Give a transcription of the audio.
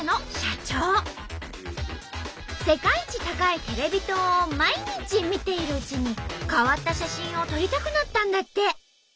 世界一高いテレビ塔を毎日見ているうちに変わった写真を撮りたくなったんだって。